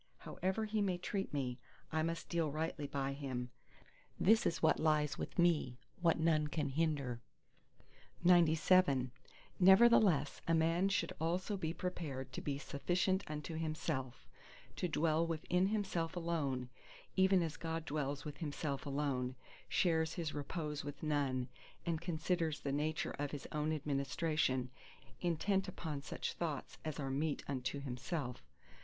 However he may treat me, I must deal rightly by him. This is what lies with me, what none can hinder. XCVIII Nevertheless a man should also be prepared to be sufficient unto himself—to dwell with himself alone, even as God dwells with Himself alone, shares His repose with none, and considers the nature of His own administration, intent upon such thoughts as are meet unto Himself.